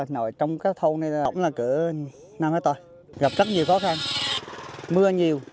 nói trong các thông này là cỡ năm ha gặp rất nhiều khó khăn mưa nhiều